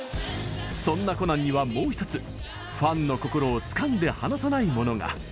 そんなコナンには、もうひとつファンの心をつかんで離さないものが。